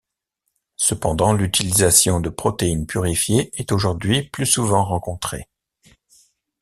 Cependant, l’utilisation de protéines purifiées est aujourd’hui plus souvent rencontrée.